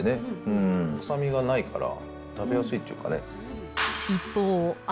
臭みがないから食べやすいっていうかね。